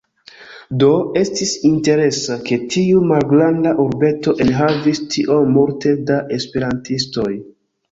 Do, estis interesa, ke tiu malgranda urbeto enhavis tiom multe da Esperantistoj.